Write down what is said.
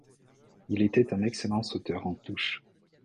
Il était un excellent sauteur en touche.